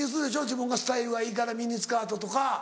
自分がスタイルがいいからミニスカートとか。